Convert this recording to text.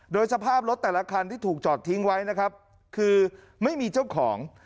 โดยสภาพรถแต่ละคันที่ถูกจอดทิ้งไว้นะครับคือไม่มีเจ้าของ